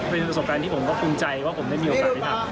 เป็นประสบการณ์ที่ผมก็ภูมิใจว่าผมได้มีโอกาสได้ทำ